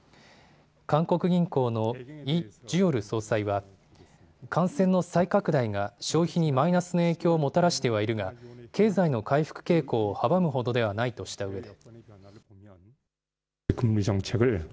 韓国銀行のイ・ジュヨル総裁は、感染の再拡大が消費にマイナスの影響をもたらしてはいるが、経済の回復傾向を阻むほどではないとしたうえで。